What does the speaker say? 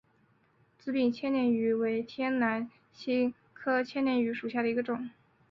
紫柄千年芋为天南星科千年芋属下的一个种。